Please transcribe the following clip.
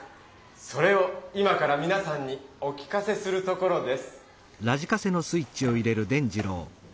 それを今からみなさんにお聴かせするところです。